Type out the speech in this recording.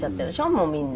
もうみんな。